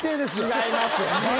違います。